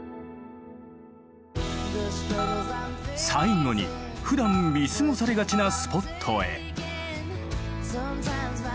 最後にふだん見過ごされがちなスポットへ。